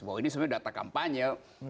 bahwa ini sebenarnya data kampanye